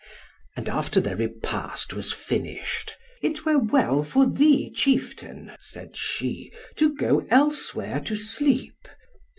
And after their repast was finished, "It were well for thee, chieftain," said she, "to go elsewhere to sleep."